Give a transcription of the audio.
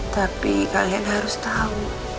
tapi kalian harus tahu